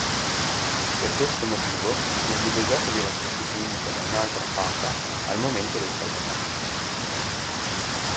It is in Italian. Per questo motivo nel videogioco viene sostituita da un'altra fata al momento del salvataggio.